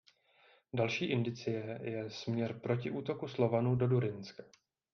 Další indicie je směr protiútoku Slovanů do Durynska.